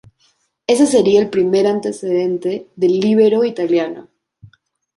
Ese sería el primer antecedente del líbero italiano.